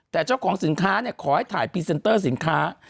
แต่เจ้าของสินค้าขอให้ถ่ายพรีเซนเตอร์สินค้า